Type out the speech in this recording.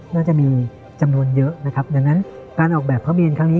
น่าจะมีจำนวนเยอะนะครับดังนั้นการออกแบบพระเมนครั้งนี้